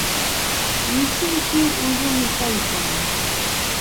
Mishiyki uyumi kaykan.